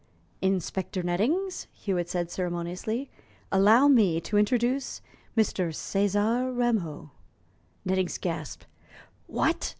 "Inspector Nettings," Hewitt said ceremoniously, "allow me to introduce Mr. César Rameau!" Netting's gasped. "What!"